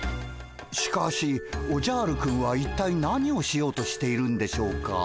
しかしおじゃるくんは一体何をしようとしているんでしょうか。